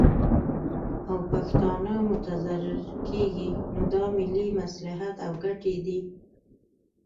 او پښتانه متضرر کیږي، نو دا ملي مصلحت او ګټې دي